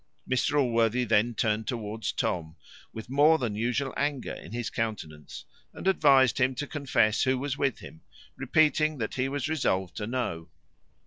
Mr Allworthy then turned towards Tom, with more than usual anger in his countenance, and advised him to confess who was with him; repeating, that he was resolved to know.